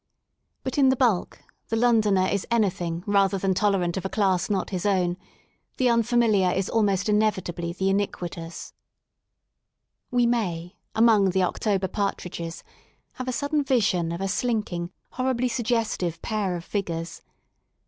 But in the bulk the Londoner is anything rather than tolerant of a class not his own; the unfamiliar is almost inevitably the iniquitous We may, among the October partridges, have a sudden vision of a slinking, horribly suggestive pair of figures.